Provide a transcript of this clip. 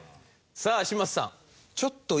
さあ嶋佐さん。